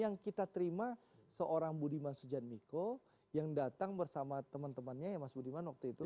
yang kita terima seorang budiman sujan miko yang datang bersama teman temannya ya mas budiman waktu itu